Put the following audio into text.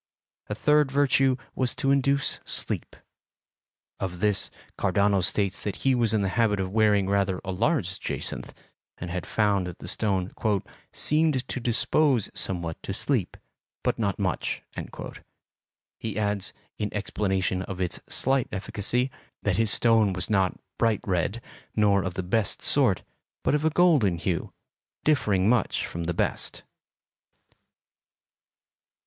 A third virtue was to induce sleep. Of this, Cardano states that he was in the habit of wearing rather a large jacinth, and had found that the stone "seemed to dispose somewhat to sleep, but not much." He adds, in explanation of its slight efficacy, that his stone was not bright red, nor of the best sort, but of a golden hue, differing much from the best.